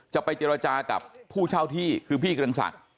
จะไปเจรจากับผู้เช่าที่คือพี่เกรงศักดิ์